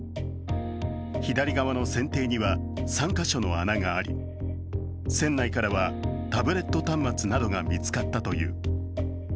左側の船底には３カ所の穴があり船内からは、タブレット端末などが見つかったという。